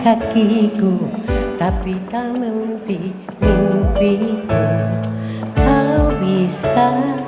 hatiku tapi aku tahu obatnya